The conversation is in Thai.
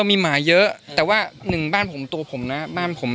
มีตัวอันที่ปกฏ